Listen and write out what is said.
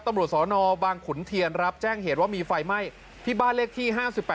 ตำรวจสนบางขุนเทียนรับแจ้งเหตุว่ามีไฟไหม้ที่บ้านเลขที่๕๘